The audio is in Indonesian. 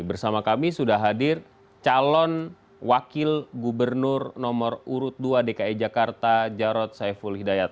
bersama kami sudah hadir calon wakil gubernur nomor urut dua dki jakarta jarod saiful hidayat